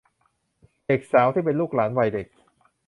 เด็กสาวที่เป็นลูกหลานวัยเด็ก